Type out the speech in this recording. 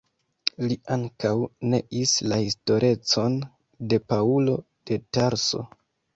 Li ankaŭ neis la historecon de Paŭlo de Tarso.